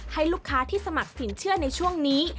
ให้ลูกค้าที่สมัครสินเชื่อในช่วงนี้